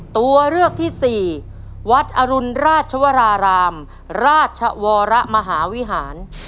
ตัวเลือกที่สี่วัดอรุณราชวรารามราชวรมหาวิหาร